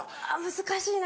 難しいな。